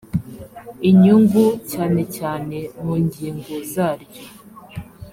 inyungu cyane cyane mu ngingo zaryo